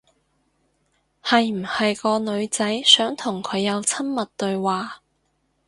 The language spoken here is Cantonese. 係唔係個女仔想同佢有親密對話？